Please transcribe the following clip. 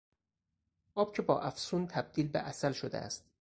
آب که با افسون تبدیل به عسل شده است